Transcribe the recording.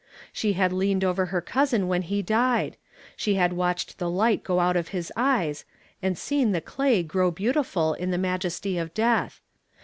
Siie had leaned over her cousin when he died ; she had watched the light go out of his eyes, and seen Die clay grow beautiful in the majesty of death.